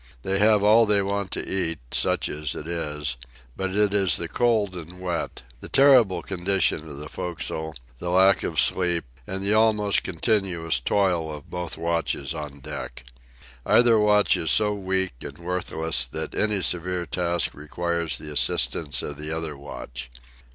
They have all they want to eat, such as it is, but it is the cold and wet, the terrible condition of the forecastle, the lack of sleep, and the almost continuous toil of both watches on deck. Either watch is so weak and worthless that any severe task requires the assistance of the other watch.